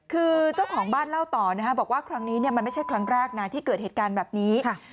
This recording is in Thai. คือเจ้าของบ้านเล่าต่อนะฮะบอกว่าครั้งนี้มันไม่ใช่ครั้งแรกนะที่เกิดเหตุการณ์แบบนี้